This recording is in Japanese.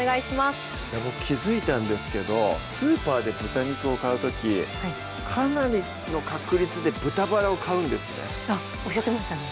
ボク気付いたんですけどスーパーで豚肉を買う時かなりの確率で豚バラを買うんですねあっおっしゃってましたね